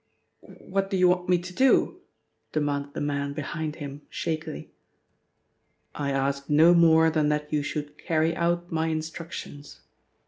"What do you want me to do?" demanded the man behind him shakily. "I ask no more than that you should carry out my instructions.